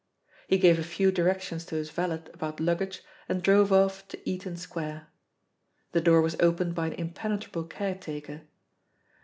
He gave a few directions to his valet about luggage, and drove off to Eaton Square. The door was opened by an impenetrable caretaker.